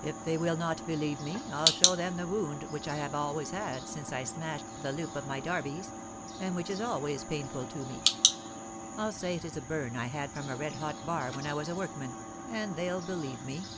If they will not believe me, I'll show them the wound which I have always had since I smashed the 'loop of my darbies,' and which is always painful to me. I'll say it is a burn I had from a red hot bar when I was a workman, and they'll believe me.